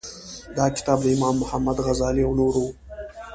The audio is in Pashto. دا کتاب د امام محمد غزالي او نورو و.